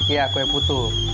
iya kue putu